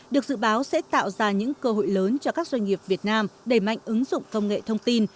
được dự báo sẽ tạo ra những cơ hội lớn cho các doanh nghiệp việt nam đẩy mạnh ứng dụng công nghệ thông tin